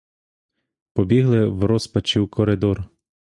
Побігли в розпачі у коридор.